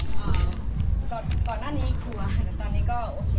ก่อนหน้านี้กลัวค่ะแต่ตอนนี้ก็โอเค